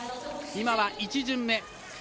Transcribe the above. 今は１順目。